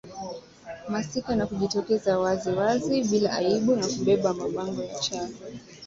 masika na kujitokeza wazi wazi bila aibu na kubeba mabango ya cha